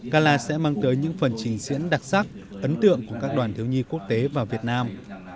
gala sẽ mang tới những phần trình diễn đặc sắc ấn tượng của các đoàn thiếu nhi quốc tế và việt nam